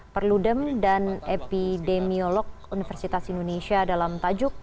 perludem dan epidemiolog universitas indonesia dalam tajuk